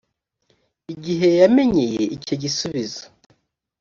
igihe yamenyeye icyo gisubizo